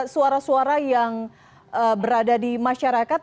suara suara yang berada di masyarakat